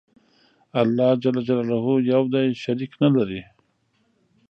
الله ج یو دی. شریک نلري.